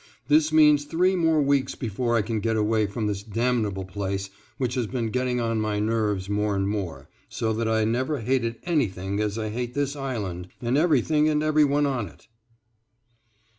This means three more weeks before I can get away from this damnable place which has been getting on my nerves more and more so that I never hated anything as I hate this island and everything and everyone on it.